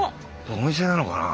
お店なのかな？